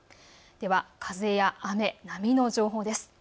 では風や雨、波の情報です。